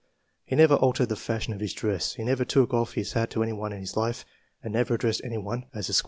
He never altered the fashion of his dress ; he never took oflF his hat to anyone in his life, and never addressed anyone as Esq."